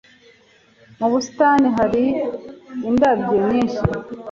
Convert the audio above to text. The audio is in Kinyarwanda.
Mu busitani hari indabyo nyinshi?